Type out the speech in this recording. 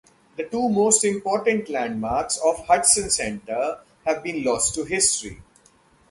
The two most important landmarks of Hudson Center have been lost to history.